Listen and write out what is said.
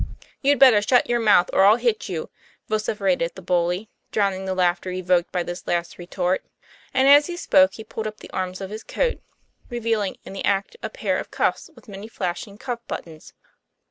" You'd better shut your mouth or I'll hit you one," vociferated the bully, drowning the laughter evoked by this last retort; and as he spoke he pulled up the arms of his coat, revealing in the act a pair of cuffs with many flashing cuff buttons.